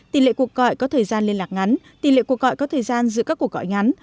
tỷ lệ cuộc gọi có thời gian liên lạc ngắn tỷ lệ cuộc gọi có thời gian giữ các cuộc gọi ngắn